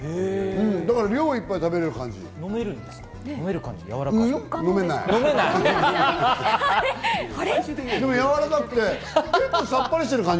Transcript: だから量、いっぱい食べられる感飲める感じ？